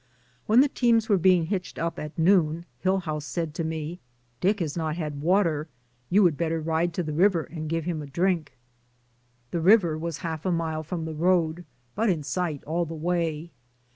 When the teams were being hitched up at noon, Hill house said to me, ''Dick has not had water; you would better ride to the river and give him a drink." The river was half a mile from the road, but in sight all the way.